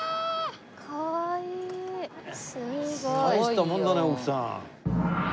大したもんだね奥さん。